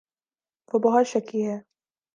وہ بہت شکی ہے